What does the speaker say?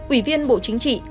ủy viên bộ chính trị